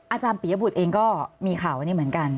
อาจารย์ปียบุตรเองก็มีข่าวอันนี้เหมือนกัน